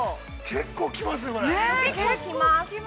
◆結構きますよね。